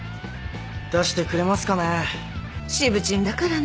出してくれますかね。